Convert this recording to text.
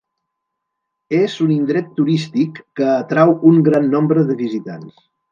És un indret turístic que atrau un gran nombre de visitants.